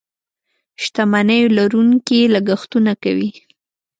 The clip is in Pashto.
شتمنيو لرونکي لګښتونه کوي.